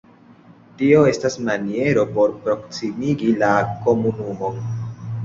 Tio estas maniero por proksimigi la komunumon.